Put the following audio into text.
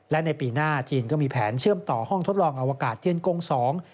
และในปีหน้าจีนก็มีแผนเชื่อมต่อห้องทดลองอวกาศเทียนกงสอง